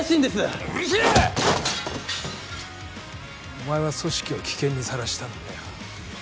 お前は組織を危険にさらしたんだよ。